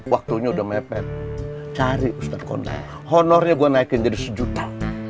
waktunya udah mepet cari ustadz kondang honornya gue naikin jadi sejuta